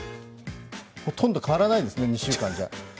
ほとんど変わらないですね、２週間じゃ。